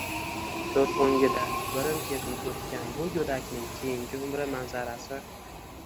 ko‘z o‘ngida birin-ketin o‘tgan bu go‘dakning keyingi umri manzarasi...